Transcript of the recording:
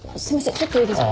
ちょっといいですか？